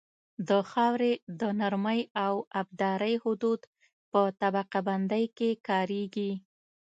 د خاورې د نرمۍ او ابدارۍ حدود په طبقه بندۍ کې کاریږي